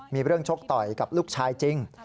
มีเรื่องชกต่อยกับลูกชายจริง